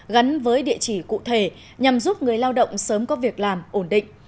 gắn với địa chỉ cụ thể nhằm giúp người lao động sớm có việc làm ổn định